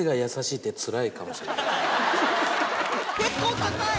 結構高い！